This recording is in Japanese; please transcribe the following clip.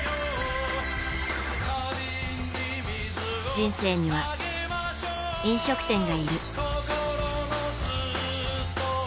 人生には、飲食店がいる。